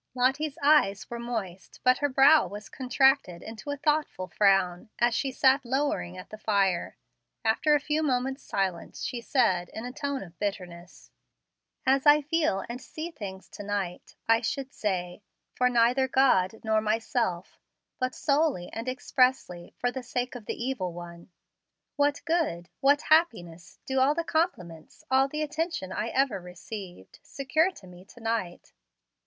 Lottie's eyes were moist, but her brow was contracted into a thoughtful frown, as she sat lowering at the fire. After a few moments' silence, she said, in a tone of bitterness: "As I feel and see things to night, I should say, for neither God nor myself, but solely and expressly for the sake of the Evil One. What good, what happiness, do all the compliments, all the attention I ever received, secure to me to night?